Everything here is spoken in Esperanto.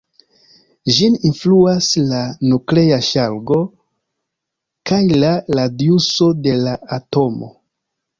Ĝin influas la nuklea ŝargo kaj la radiuso de la atomo.